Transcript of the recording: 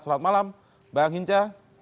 selamat malam bang hinca